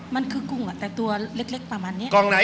มันคือกุ้งแต่ตัวเล็กประมาณนี้